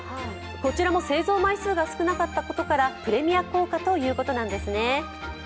こちらも製造枚数が少なかったことからプレミア硬貨ということなんです。